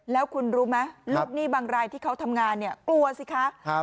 แล้วคุณรู้ไหมลูกหนี้บางรายที่เขาทำงานเนี่ยกลัวสิคะ